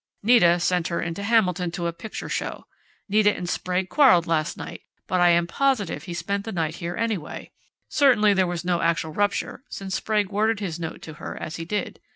Nita sent her into Hamilton to a picture show. Nita and Sprague quarreled last night, but I am positive he spent the night here anyway. Certainly there was no actual rupture, since Sprague worded his note to her as he did.